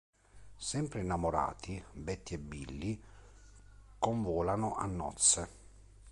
Sempre innamorati, Betty e Billy convolano a nozze.